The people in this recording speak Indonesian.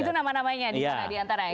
itu nama namanya di antara ya kan